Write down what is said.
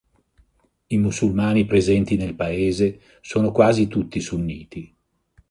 I musulmani presenti nel Paese sono quasi tutti sunniti.